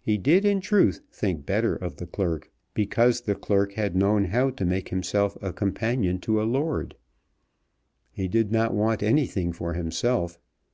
He did in truth think better of the clerk because the clerk had known how to make himself a companion to a lord. He did not want anything for himself.